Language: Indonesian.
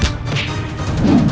aku akan terus memburumu